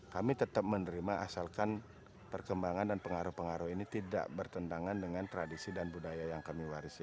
kami tetap menerima asalkan perkembangan dan pengaruh pengaruh ini tidak bertentangan dengan tradisi dan budaya yang kami warisi